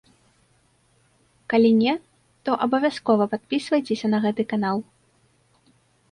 Калі не, то абавязкова падпісвайцеся на гэты канал.